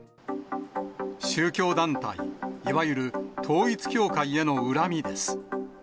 宗教団体、いわゆる統一教会への恨みです。